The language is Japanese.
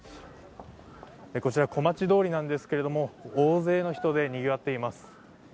こちら小町通りなんですけれども大勢の人でにぎわっています。